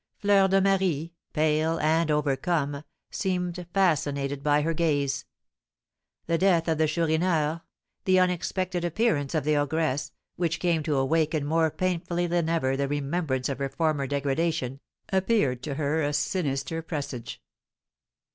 Fleur de Marie, pale and overcome, seemed fascinated by her gaze. The death of the Chourineur, the unexpected appearance of the ogress, which came to awaken more painfully than ever the remembrance of her former degradation, appeared to her a sinister presage.